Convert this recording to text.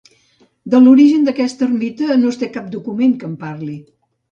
De l'origen d'aquesta ermita no es té cap document que en parli.